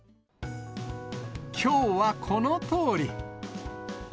きょうはこのとおり。